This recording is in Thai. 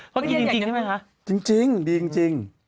เขากินจริงใช่ไหมคะจริงดีจริง